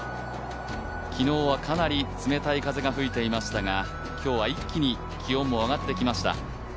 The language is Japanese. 昨日はかなり冷たい風が吹いていましたが、今日は一気に気温も上がってきました。